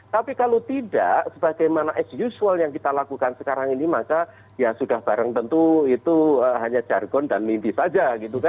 tapi kalau tidak sebagaimana as usual yang kita lakukan sekarang ini maka ya sudah barang tentu itu hanya jargon dan mimpi saja